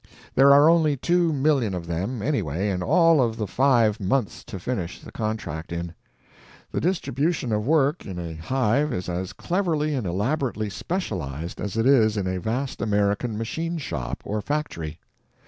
There are only two million of them, anyway, and all of five months to finish the contract in. The distribution of work in a hive is as cleverly and elaborately specialized as it is in a vast American machine shop or factory.